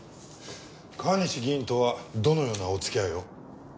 川西議員とはどのようなお付き合いを？